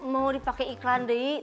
mau dipake iklan deh